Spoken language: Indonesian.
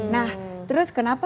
nah terus kenapa